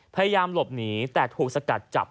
พยายามหลบหนีแต่ถูกสกัดจับ